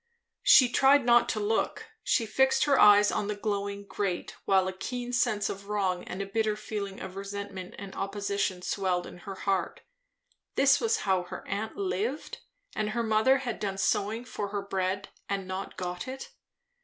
She tried not to look; she fixed her eyes on the glowing grate; while a keen sense of wrong and a bitter feeling of resentment and opposition swelled her heart. This was how her aunt lived! and her mother had done sewing for her bread, and not got it.